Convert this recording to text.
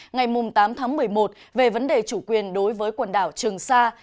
ngày tám tháng một mươi một về vấn đề chủ quyền đối với quần đảo trường sa